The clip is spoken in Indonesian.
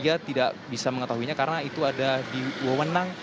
dia tidak bisa mengetahuinya karena itu ada di wawenang